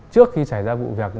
trước khi xảy ra vụ việc